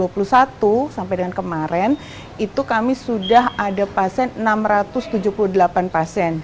dua puluh satu sampai dengan kemarin itu kami sudah ada pasien enam ratus tujuh puluh delapan pasien